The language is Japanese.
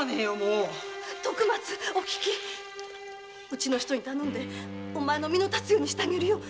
うちの人に頼んでお前の身の立つようにしてあげるよ。